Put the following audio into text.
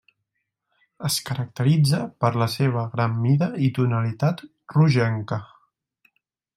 Es caracteritza per la seva gran mida i tonalitat rogenca.